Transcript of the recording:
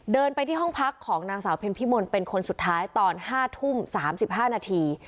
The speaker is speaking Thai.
เดินไปที่ห้องพักของนางสาวเพ็ญพิมลเป็นคนสุดท้ายตอน๕ทุ่ม๓๕นาที